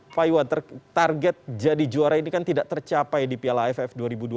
pak iwan target jadi juara ini kan tidak tercapai di piala aff dua ribu dua puluh